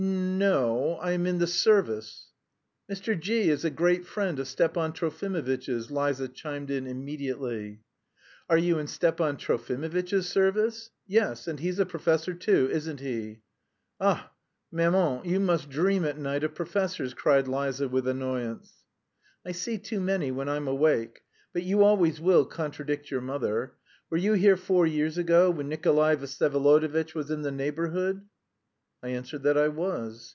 "N no. I'm in the service...." "Mr. G v is a great friend of Stepan Trofimovitch's," Liza chimed in immediately. "Are you in Stepan Trofimovitch's service? Yes, and he's a professor, too, isn't he?" "Ah, maman, you must dream at night of professors," cried Liza with annoyance. "I see too many when I'm awake. But you always will contradict your mother. Were you here four years ago when Nikolay Vsyevolodovitch was in the neighbourhood?" I answered that I was.